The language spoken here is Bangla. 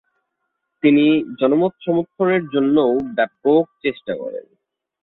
তিনি জনমত সমর্থনের জন্যও ব্যাপক চেষ্টা করেন।